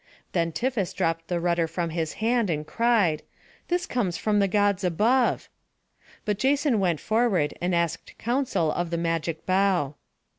Then Tiphys dropped the rudder from his hand, and cried, "This comes from the Gods above." But Jason went forward, and asked counsel of the magic bough.